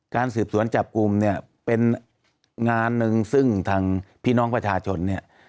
การสืบสวนจับกลุ่มเนี่ยเป็นงานหนึ่งซึ่งทางพี่น้องประชาชนเนี่ย